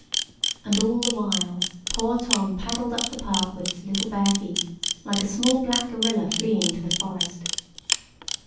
[Picture: Grimes] And all the while poor Tom paddled up the park with his little bare feet, like a small black gorilla fleeing to the forest.